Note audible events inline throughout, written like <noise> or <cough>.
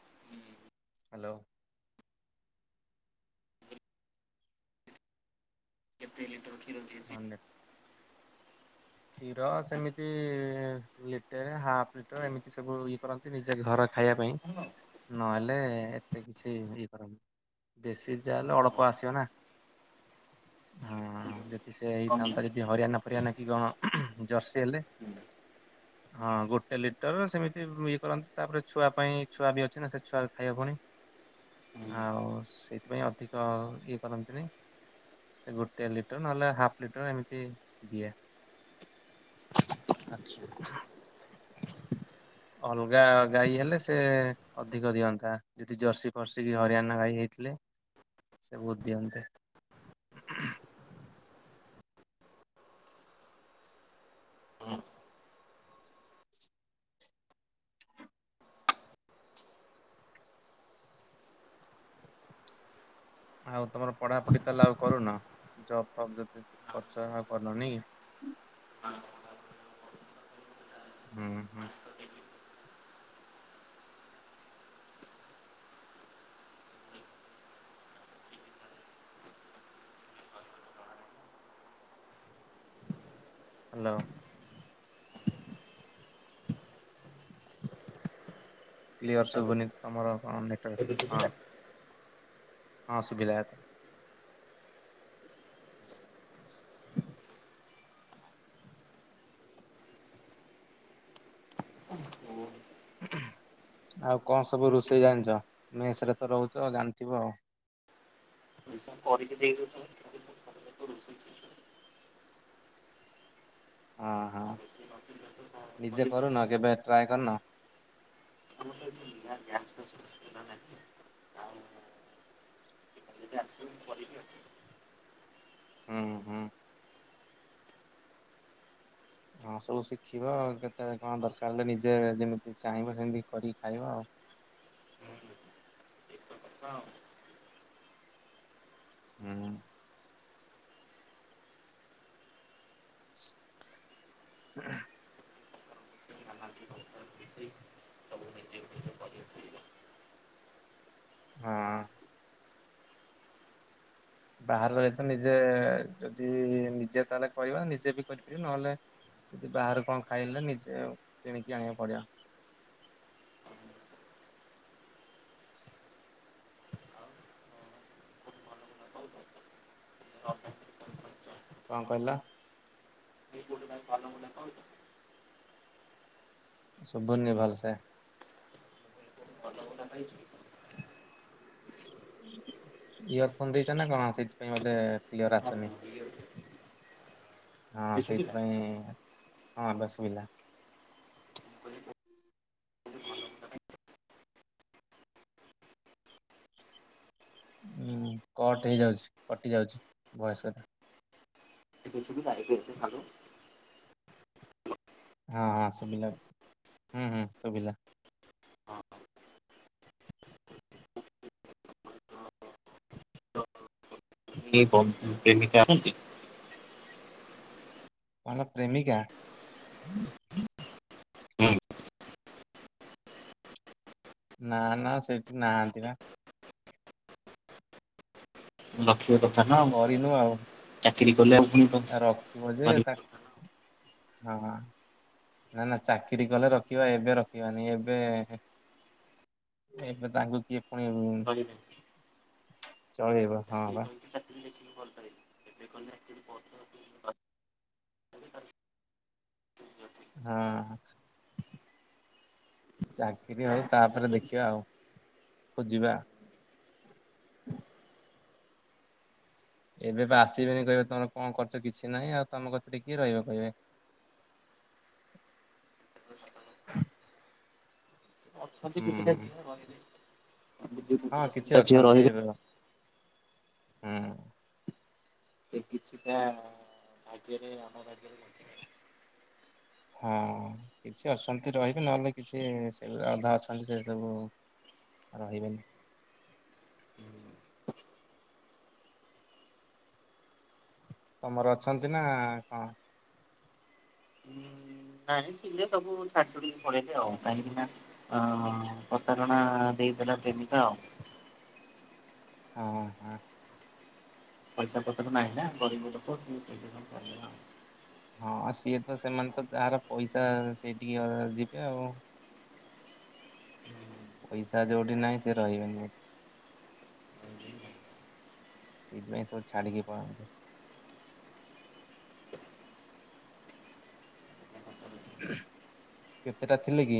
ହୁଁ <unintelligible> ହାଲୋ ଜପତିଲି ତୁର୍କୀ ରଛିଏ ସ ମାନେ <unintelligible> କ୍ଷୀର ସେମିତି ଲିଟର, ହାଫ ଲିଟର, ଏମିତି ସବୁ ଇଏ କରନ୍ତି ନିଜେ ଘର ଖାଇବା ପାଇଁ ହ୍ୟାଲୋ ନହେଲେ ଲେ, ଏତେ କିଛି ଇଏ କରନି, ଦେଶୀ ଯା ହେଲେ କଣ ଅଳ୍ପ ଆସିବ ନା ହଁ ଯଦି ସେ କହିଲ ହେଇଥାନ୍ତା ଯଦି ହରିୟଣା ଫରିୟାନ କି ଗଣ ଜର୍ସି ହେଲେ ହ <unintelligible> ହଁ ଗୋଟେ ଲିଟର ସେମିତି ଇଏ କରନ୍ତି, ତାପରେ ଛୁଆ ପାଇଁ ଛୁଆ ବି ଅଛି ନା, ସେ ଛୁଆ ଖାଇବା ପୁଣି ଆଉ ସେଇଥିପାଇଁ ଅଧିକ ଇଏ କରନ୍ତିନି ସେ ଗୋଟେ ଲିଟର, ନହେଲେ ହାଫ୍ ଲିଟର, ଏମିତି ଦିଏ ଆଛା। ଅଲଗା ଗାଈ ହେଲେ ସେ ଅଧିକ ଦିଅନ୍ତା, ଯଦି ଜର୍ସି ଫର୍ସି କି ହରିୟଣା ଗାଈ ହେଇ ସେ ବହୁତ ଦିଅନ୍ତେ <unintelligible> ହୁଁ ଆଉ ତମର ପଢାପଢି ତାହେଲେ ଆଉ କରୁନ ଜବ ଶବ୍ଦ ପ୍ରଶାହାା କରଲନି <unintelligible> ହୁଁ ହୁଁ ହାଲୋ କ୍ଲିଅର ହ୍ୟାଲୋ ଶୁଭୁନି ତମରଟ ଏବେ ହଁ ଶୁଭିଲା ହଁ ଶୁଭିଲା ତ ହ <unintelligible> ଆଉ କଣ ସବୁ ରୋଷେଇ ଜାଣିଛ, ମେସ ରେ ତ ରହୁଛ ଜାଣିଥିବ ଆଉ କରିକି ଦେଇଷେଇ <unintelligible> ହଁ ହଁ ଆଉ ରୋଷେଇ ନଥିଲେ ତ ନିଜେ କରିବ କରୁନ, କେବେ ଟ୍ରାଏ କରିନ ଆ ଗ୍ୟା ଫହି ଆଉ <unintelligible> ଆସିବୁ ମୁ କରିକି ଅଛି <unintelligible> ହଁ ହଁ ହଁ ସବୁ ଶିଖିବ, କେତେବେଳେ କଣ ଦରକାର ହେଲେ ନିଜେ ଯେମିତି ଚାହିଁବ, ସେମିତି କରିକି ଖାଇବା ଆଉ ହୁଁ ହ <unintelligible> ଆ <unintelligible> ହୁଁ ହ। <unintelligible> ତ ନିଜ ନି ଫ। <unintelligible> ହଁ। ବାହାରରେ ତ ନିଜେ, ଯଦି ନିଜେ ତାହେଲେ କରିବା ନିଜେ ବି କରିପାରିବ, ନହେଲେ ଯଦି ବାହାରୁ କଣ ଖାଇଲେ, ନିଜେ କିଣିକି ଆଣିବାକୁ ପଡିବ। ହୁ। <unintelligible> ଆଉ <unintelligible> କଣ କହିଲ? ଏ କୋଟେ କ ପାନ ବ କଉଛ। <unintelligible> ଶୁଭୁନିି ଭଲସେ ଭଲ ଭଲା ଖାଇଛ। <unintelligible> ଇୟର ଫୋନ ଦେଇଛ ନା କଣ ସେଇଥିପାଇଁ ବୋଧେ କ୍ଲିୟର ଆସୁନି। <unintelligible> ହଁ ସେଇଥିପାଇଁ ହଁ ଏବେସୁବିଲା। ଉଁ କଟ ହେଇଯାଉଛି କଟି ଯାଉଛି ଭୟସଟା। ଏବେ ସୁବିଲା ହେପସ ଭଲ। ହଁ ହଁ ସୁବିଲା ହୁଁ ହୁଁ ସୁବିଲା। ଏ ବନ୍ଦ୍ଦୁପ୍ରେମୀକଆ ଅଣନ୍ତୀ। ପ୍ରେମିକା। ନା ନା ସେଇଠି ନାହାନ୍ତି ବା। ରଖିବା କଥା ନା ଆଉ କରିନୁ ଆଉ ଚାକିରି କଲେ ଆଉ ପୁଣି ରଖିବ ଯେ ପାଉଛି ତା କଥା। ହଁ। ନା ନା ଚାକିରି କଲେ ରଖିବା ଏବେ ରଖିବାନି ଏବେ ଏବେ ତାଙ୍କୁ କିଏ ପୁଣି ରହିବେ ଚଳେଇବ ଚାକିରି ହଁ। ଜୀବନରେ ଦେଖିକି କରିଥରେ ଏବେ କହଲେ ଚା ପଢୁଛନ୍ତି। ହଁ। ଚାକିରି ହଉ ତାପରେ ଦେଖିବା ଆଉ ଖୋଜିବା। <unintelligible> ଏବେ ତ ଆସିବେନି କହିବେ ତମର କଣ ଖର୍ଚ୍ଚ କିଛି ନାହିଁ ଆଉ ତମ କଥା ଟିକଏ ରହିବ କହିବେ। <unintelligible> ଅଛନ୍ତି କିଛିଟା ହୁଁ ଝିଅ ରହିବେ। ହଁ କିଛି ଝିଅ ଅଛନ୍ତି ରହିବେ ହୁଁ। ସେ କିଛିଟା ଭାଗ୍ୟରେ ଆମ ଭାଗ୍ୟରେ ବଞ୍ଚ ହଁ କିଛି ଅଛନ୍ତି ରହିବେ ନହେଲେ କିଛି ସେ ଅଧା ଅଛନ୍ତି ସେ ସବୁ। ଉ ରହିବେନି। ହୁଁ। ତମର ଅଛନ୍ତି ନା କଣ? ନାଇ ଥିଲେ ସବୁ ଛାଡିଡିକି ପଳେଇଲେ ଆଉ କାହିଁକି ନା ଅ ପ୍ରତାରଣା ଦେଇ ପଲା ପ୍ରେମିକା ଆଉ। ହଁ ହଁ। ପଇସା ପତ୍ର ନାହିଁ ନା ଗରିବ ଲୋକ। ହଁ ସିଏ ତ ସେମାନେ ତ ତହାର ପଇସା ସେଇଠିକି ଯିବେ ଆଉ। <unintelligible> ପଇସା ଯୋଉଠି ନାହିଁ ସେ ରହିବେନି। ସେଇଥିପାଇଁ ସବୁ ଛାଡିକି ପଳନ୍ତି। କେତେଟା ଥିଲେ କି?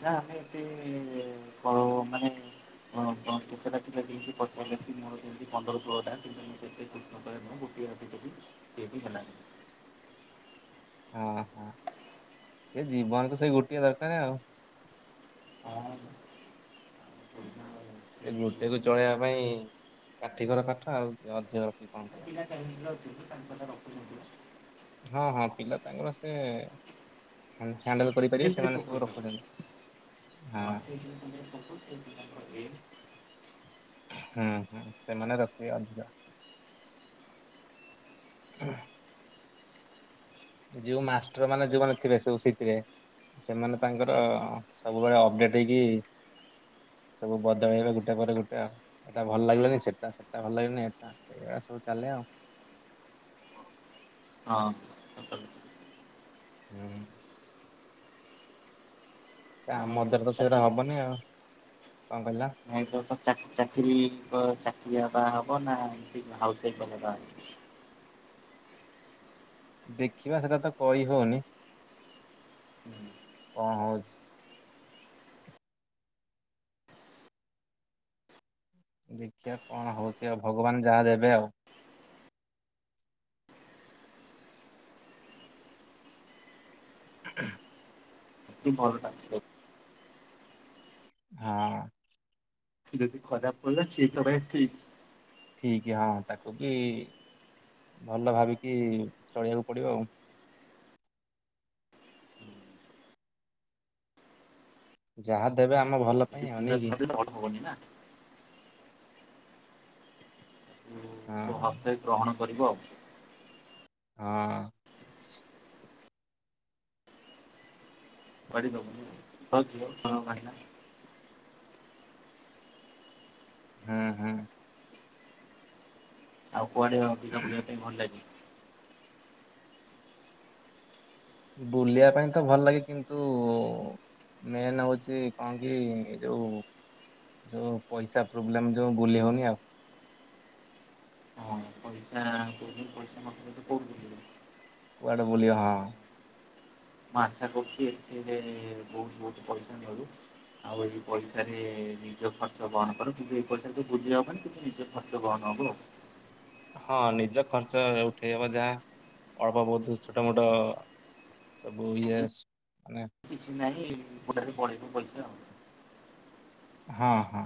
ପା ଆମେ ଏତି କର ମାନେ। ହଁ କେତେଟା ଥିଲା ଯେମିତି ପଚାରିଲେ ମୋର ଯେମିତି ପନ୍ଦର ଷୋଳ ଟା କି ମୁଁ ସେତ ଖ ଚୋନତି ଚାଲି ସେ ବି ହେ ଓ ହୋ ସେ ଜୀବନକୁ ସେଇ ଗୋଟିଏ ଦରକାର ଆଉ। ହଁ। ସେ ଗୋଟେକୁ ଚଳେଇବା ପାଇଁ କାଠିକର କାଠ ଆଉ ଅଧିକରଠ ହଁ <inaudible> ହଁ ପିଲା ତାଙ୍କର ସେ ହ୍ୟାଣ୍ଡେଲ କରିପାରିବେ ସେଇଥିରେ ସେମାନେ ଫୋକସ୍ ସବୁ ହେବ ରଖୁଛନ୍ତି। ହଁ <inaudible> ହୁଁ ହୁଁ ସେମାନେ ରଖିବେ ଅଧିକା। ଉଁ। ଯୋଉ ମାଷ୍ଟର ମାନେ ଯୋଉମାନ ଥିବେ ସବୁ ଶିଥିରେ। ସେମାନେ ତାଙ୍କର ସବୁବେଳେ ଅପଡେଟ ହେଇକି ସବୁ ବଦଳେଇବେ ଗୋଟେ ପରେ ଗୋଟେ ଆ ଏଟା ଭଲ ଲାଗିଲନି ସେଟା ସେଟା ଭଲ ଲାଗିଲନି ଏଟା। ସବୁ ଚାଲେ ଆଉ। ହଁ। ହୁଁ। ଏ ଆମର ଦ୍ୱାରା ଆଉ ତ ସେଇଟା ଚାକିରି ହବନି ଆଉ। କଣ କହିଲ? ନାଇଁ ତୋର ତ ଚା ଚାକିରି କ ଚାକିରିଆ। ବାହା ହବ ନା ଏମତି ହାଉସ ୱାଇଫ କଲେ ବାହା। ଦେଖିବା ସେଟା ତ କହି ହଉନି। କଁ ହଉଛି। ଦେଖିଆ କଣ ହଉଛି ଆଉ ଭଗବାନ ଯାହା ଦେବେ ଆଉ। <inaudible> ସିମ୍ ପର ଟା ଅଛି ଦେଖ। ହଁ। ଯଦି ଖରାପ ପଡ଼ିଲା ସିଏ ତୋ ପାଇଁ ଠିକ୍। ବିଜ୍ଞା ତାକୁ ବି ଭଲ ଭାବିକି ଚଳିବାକୁ ପଡିବ ଆଉ। ଯାହା ଦେବେ ଆମେ ଭଲ। ଏ ପାଇଁ ଆଉ କଉଟା ନାଇକି କଲେ ନହନେ ହବନି ନା। ଉଁ ହଁ ସ୍ୱ ହସ୍ତେ ଗ୍ରହଣ କରିବ। ହଁ। କରିଦବୁ ଭଲ ଝିଅ ହଁ ମାଇକିନା। ହୁଁ ହୁଁ। ଆଉ କୁଆଡେ ଅଧିକା ବୁଲିବା ପାଇଁ ଭଲ ଲାଗେ। ବୁଲିବା ପାଇଁ ତ ଭଲଲାଗେ କିନ୍ତୁ। ମେନ୍ ହଉଛି କଣକି ଏଯୋଉ। ଯୋଉ ପଇସା ପ୍ରୋବ୍ଲେମ ଯୋଉ ବୁଲି ହଉନି ଆଉ। ହଁ ପଇସା <inaudible> ପଇସା ମ <inaudible> କଉଠି ବୁଲିବୁ। କୁଆଡେ ବୁଲି ହଁ। ମୁଁ ଆଶା କରୁଛି ଏଥିରେ ବହୁତ ବହୁତ ପଇସା ନିଅନ୍ତୁ ଆଉ ଏଇ ପଇସାରେ। ନିଜ ଖର୍ଚ୍ଚ ବହନ କର କିନ୍ତୁ ଏ ପଇସା ରେ ତ ବୁଲି ହବନି କିନ୍ତୁ ନିଜ ଖର୍ଚ୍ଚ ବହନ ହବ ଆଉ। ହଁ ନିଜ ଖର୍ଚ୍ଚ ଉଠେଇ ହବ, ଯାହା ଅଳ୍ପବହୁତ ଛୋଟମୋଟ। ସବୁ ୟେସ ମାନେ। କିଛି ନାହିଁ ଏଇ <inaudible> ପଳେଇବ ପଇସା ଆଉ। ହଁ ହଁ।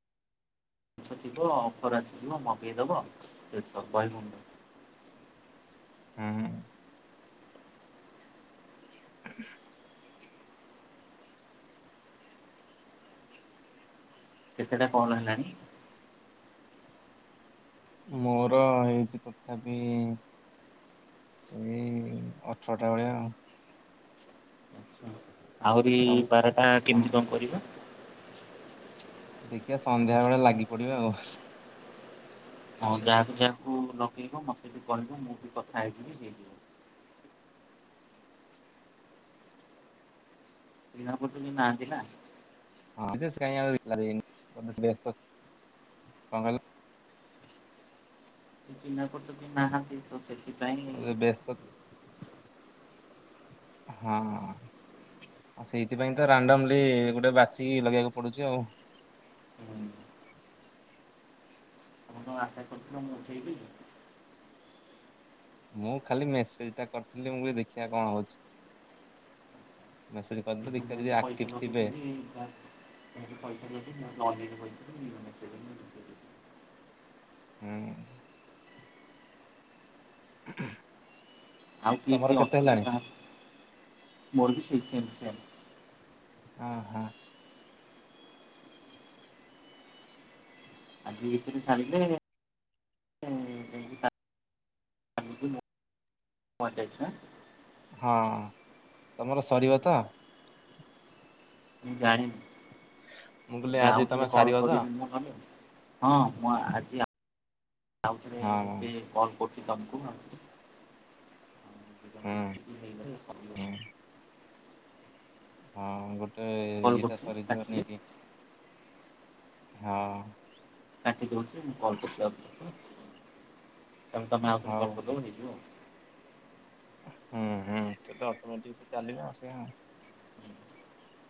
ପଇସା ଥିବ ଅଫର ଆସିଯିବ ମଗେଇଦବ ଶେଷ <unintelligible> ମୁଣ୍ଡ। <inaudible> ହୁଁ। <inaudible> କେତେଟା କଲ ହେଲାଣି। ମୋର ହେଇଛି ତଥାପି। ସେଇ ଅଠରଟା ଭଳିଆ ଆଉ। ଆଚ୍ଛା। ଆହୁରି ତମ ବାରଟା ତମ କେମିତି କଣ କରିବା। ଦେଖିବା ସନ୍ଧ୍ୟା ବେଳେ ଲାଗି ପଡିବା ଆଉ ହଁ ଯାହାକୁ ଯାହାକୁ ଲଗେଇବୁ ମତେ ବି କହିବୁ ମୁଁ ବି କଥା ହେଇଯିବି ସେଇ। <unintelligible> ବିଣାପ ତୁନି ନାହାନ୍ତି ନା। ହଁ ସେଜ କାହିଁ ଆଉ ରିପ୍ଲାଏ ଦେଇନି ବଧେ ବ୍ୟସ୍ତ ଙ୍କ କହିଲ। ଚିହ୍ନା ପରିଚୟ କେହି ନାହାନ୍ତି ତ ସେଥିପାଇଁ। ବୋଧେ ବ୍ୟସ୍ତ ହଁ। ଆ ସେଇଥିପାଇଁ ତ ରାଣ୍ଡମଲି ଗୋଟେ ବାଛିିକି ଲଗେଇବାକୁ ପଡୁଛି ଆଉ। <inaudible> ଆପଣ ଆଶା କରୁଥିଲ ମୁଁ ଉଠେଇବି। ମୁଁ ଖାଲି ମେସେଜ ଟା କରିଥିଲି ମୁଁ କହିଲି ଦେଖିବା କଣ ହଉଛି। ମେସେଜ କରିଦେଲି ଏଠୁ ଦେଖିବା ମୁ ଯଦି ଯୋଦି ଆକ୍ଟିଭ ପଇସା ଥିବେ ନଦେଇଥିମି ଆ ହେଟୁ ପଇସା ନେଇକି ଗଲେ <unintelligible> ହୁଁ <inaudible> ଆଉ କିଏ ତମର କିଏ କେତେ ଅଛନ୍ତି ବି ହେଲାଣି? କାହାନ୍ତି ମୋର ବି ସେଇ ସେମ୍ ସେମ୍ ହ ହୋ ଆଜି ଭିତରେ ଛାଡିଲେ ମରିଯାଇଛି ନା ହଁ ତମର ସରିବ ତ ମୁଁ ଜାଣିନି ମୁଁ କହିଲି ଏବେ ଆଜି ତମେ ଆଉଥରେ କଣ ସାରିବ ତ? କରିବିନି ମୁଁ ଭାବୁଚି ହଁ ମୁଁ ଆଜି ଆଜିରେ ହଁ ଏବେ କଲ କର ହୁଁ ହୁଁ। <unintelligible> ହଁ ଗୋଟେ କଲ୍ ଇଏଟା କରୁଛି ସରିଯିବ କାଟିଲେ ନେଇ କି ହଁ। କାଟି ଦଉଛି ମୁଁ କଲ୍ କରୁଛି ଆଉଥରେ ହେଲା। ତାହେଲେ ତମେ ଆଉ ଥରେ ହଉ କଲ୍ କରିଦେଲେ ହେଇ ଯିବ। ହୁଁ ହୁଁ ସେ ଅଟମେଟିକି ଚାଲିବ ଆ ସେ <inaudible>